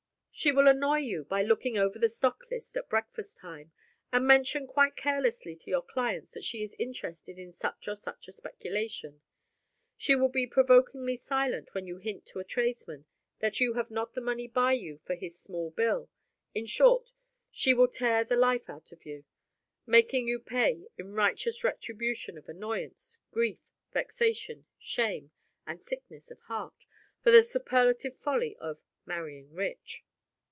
She will annoy you by looking over the stock list at breakfast time, and mention quite carelessly to your clients that she is interested in such or such a speculation. She will be provokingly silent when you hint to a tradesman that you have not the money by you for his small bill in short, she will tear the life out of you, making you pay in righteous retribution of annoyance, grief, vexation, shame, and sickness of heart, for the superlative folly of "marrying rich."